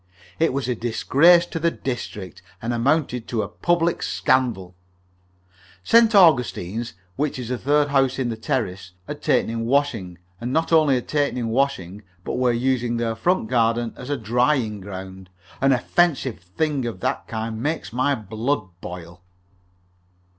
It was a disgrace to the district, and amounted to a public scandal. St. Augustine's which is the third house in the terrace had taken in washing, and not only had taken in washing, but were using their front garden as a drying ground! An offensive thing of that kind makes my blood boil.